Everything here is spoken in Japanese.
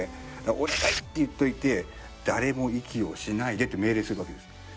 「お願い」って言っておいて「だれも息をしないで」って命令するわけですよ。